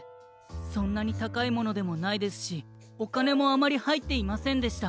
そんなにたかいものでもないですしおかねもあまりはいっていませんでした。